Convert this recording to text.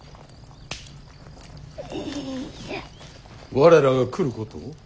われらが来ることを？